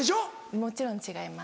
もちろん違います。